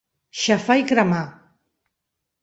Xafar i cremar.